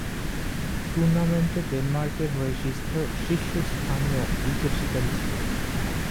টুর্নামেন্টে ডেনমার্কের হয়ে শীর্ষস্থানীয় উইকেট শিকারী ছিলেন।